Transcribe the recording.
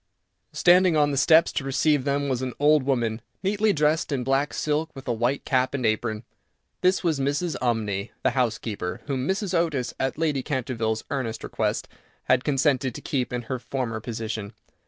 Standing on the steps to receive them was an old woman, neatly dressed in black silk, with a white cap and apron. This was Mrs. Umney, the housekeeper, whom Mrs. Otis, at Lady Canterville's earnest request, had consented to keep in her former position.